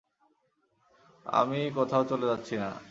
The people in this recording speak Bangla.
আমি কোথাও চলে যাচ্ছি না।